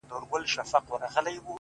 • لکه پاتا ته وي راغلي پخوانۍ سندري,